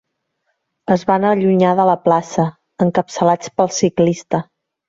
Es van allunyar de la plaça, encapçalats pel ciclista.